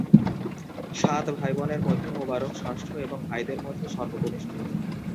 সাত ভাইবোনের মধ্যে মোবারক ষষ্ঠ এবং ভাইদের মধ্যে সর্বকনিষ্ঠ।